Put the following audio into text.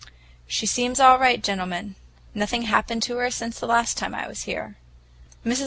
"She seems all right, gentlemen. Nothing happened to her since the last time I was here. Mrs.